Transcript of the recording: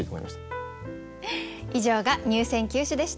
以上が入選九首でした。